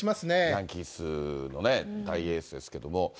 ヤンキースのね、大エースですけども。